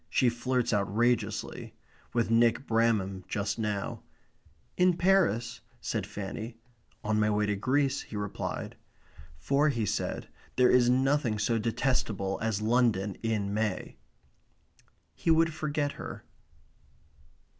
She flirts outrageously with Nick Bramham just now. "In Paris?" said Fanny. "On my way to Greece," he replied. For, he said, there is nothing so detestable as London in May. He would forget her.